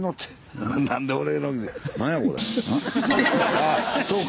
あっそうか。